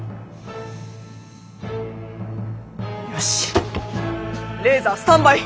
よしレーザースタンバイ。